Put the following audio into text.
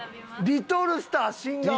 リトルスター！新顔！